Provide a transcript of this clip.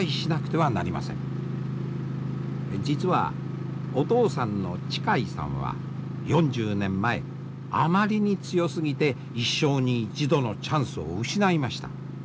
実はお父さんの智海さんは４０年前あまりに強すぎて一生に一度のチャンスを失いました。